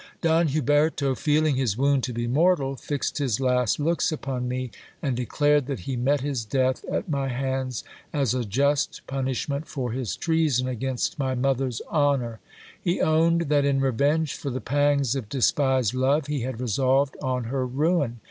Don Huberto, feeling his wound to be mortal, fixed his last looks upon me, and declared that he met his death at my hands as a just punishment for his treason against my mother's honour. He owned that in revenge for the pangs of despised love he had resolved on her ruin.